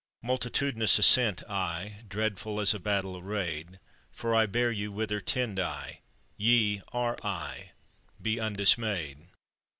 _ "Multitudinous ascend I, Dreadful as a battle arrayed, For I bear you whither tend I; Ye are I: be undismayed!